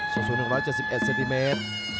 สูงสูง๑๗๑เซติเมตร